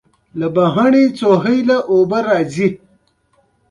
احمده! حق وايه؛ لمر په دوو ګوتو نه پټېږي.